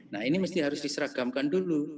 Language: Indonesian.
nah ini mesti harus diseragamkan dulu